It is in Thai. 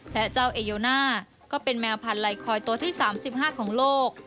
และเจ้าเอโยน่าก็เป็นแมวพันธัยคอยตัวที่๓๕ของโลก